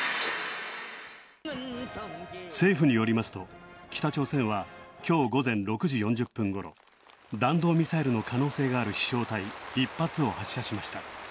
政府によりますと北朝鮮はきょう午前６時４０分ごろ弾道ミサイルの可能性がある飛翔体、１発を発射しました。